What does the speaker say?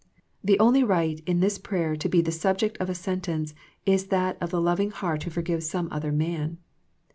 The only right in this prayer to be the subject of a sentence is that of the loving heart who forgives some other man.